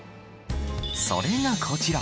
それがこちら。